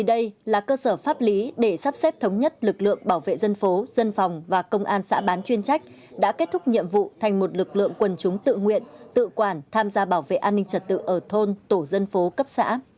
đây là cơ sở pháp lý để sắp xếp thống nhất lực lượng bảo vệ dân phố dân phòng và công an xã bán chuyên trách đã kết thúc nhiệm vụ thành một lực lượng quần chúng tự nguyện tự quản tham gia bảo vệ an ninh trật tự ở thôn tổ dân phố cấp xã